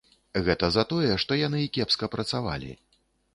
Гэта за тое, што яны кепска працавалі.